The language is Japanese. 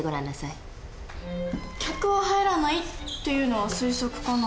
「客は入らない」っていうのは推測かな。